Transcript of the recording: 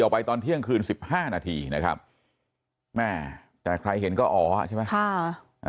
ไปตอนเที่ยงคืน๑๕นาทีนะครับแม่แต่ใครเห็นก็อ๋อใช่ไหม